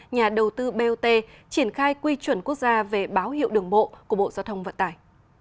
nhà đầu tư bot triển khai quy chuẩn quốc gia về báo hiệu đường bộ của bộ giao thông vận tải